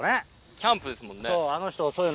キャンプですもんね。